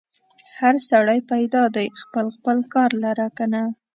هر سړی پیدا دی خپل خپل کار لره کنه.